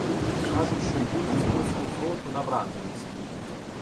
Кажуть, що йдуть із польського фронту на врангелівський.